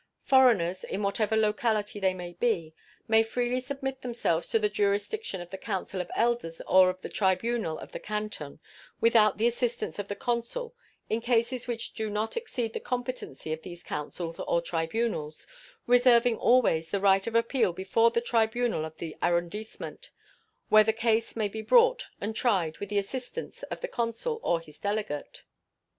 Foreigners, in whatever locality they may be, may freely submit themselves to the jurisdiction of the council of elders or of the tribunal of the canton without the assistance of the consul in cases which do not exceed the competency of these councils or tribunals, reserving always the right of appeal before the tribunal of the arrondissement, where the case may be brought and tried with the assistance of the consul or his delegate.